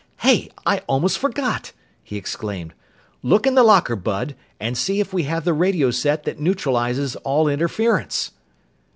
"Hey! I almost forgot!" he exclaimed. "Look in the locker, Bud, and see if we have the radio set that neutralizes all interference!"